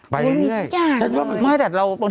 ไปเรื่อย